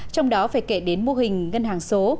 trong đó phải kể đến mô hình ngân hàng số